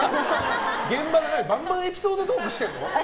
現場で、ばんばんエピソードトークしてるの？